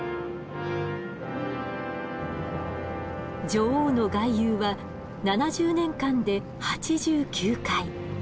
女王の外遊は７０年間で８９回。